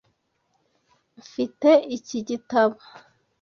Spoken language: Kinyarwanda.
Mfite iki gitabo